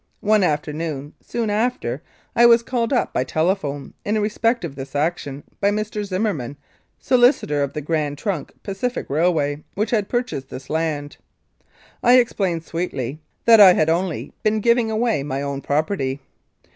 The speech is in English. One afternoon, soon after, I was called up by telephone in respect of this action by Mr. Zimmer mann, solicitor of the Grand Trunk Pacific Railway, which had purchased this land. I explained sweetly that I had only been giving away my own property.